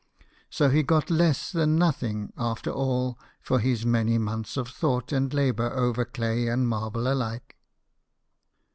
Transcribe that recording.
So he got less than nothing after all for his many months of thought and labour over clay and marble alike.